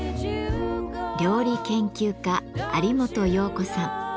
料理研究家有元葉子さん。